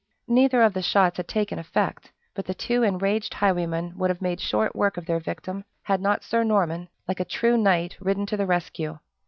Neither of the shots had taken effect, but the two enraged highwaymen would have made short work of their victim had not Sir Norman, like a true knight, ridden to the rescue.